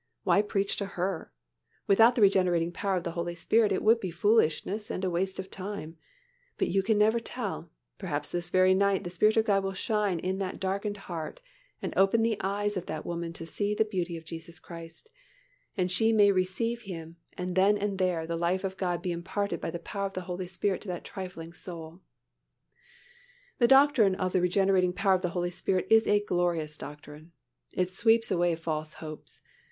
Why preach to her? Without the regenerating power of the Holy Spirit, it would be foolishness and a waste of time; but you can never tell, perhaps this very night the Spirit of God will shine in that darkened heart and open the eyes of that woman to see the beauty of Jesus Christ and she may receive Him and then and there the life of God be imparted by the power of the Holy Spirit to that trifling soul. The doctrine of the regenerating power of the Holy Spirit is a glorious doctrine. It sweeps away false hopes.